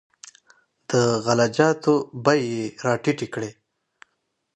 د غله جاتو بیې یې راټیټې کړې.